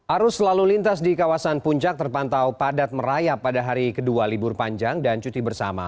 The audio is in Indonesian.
arus lalu lintas di kawasan puncak terpantau padat merayap pada hari kedua libur panjang dan cuti bersama